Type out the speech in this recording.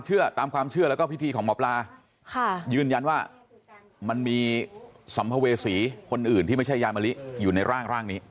เชื่อตามความเชื่อแล้วก็พิธีของหมอปลาค่ะยืนยันว่ามันมีสัมภเวษีคนอื่นที่ไม่ใช่ยายมะลิอยู่ในร่างนี้